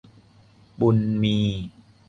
บุญมี